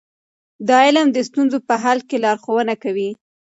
دا علم د ستونزو په حل کې لارښوونه کوي.